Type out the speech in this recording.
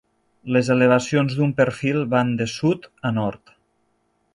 Les elevacions d'un perfil van de sud a nord.